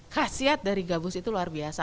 khasiat dari gabus itu luar biasa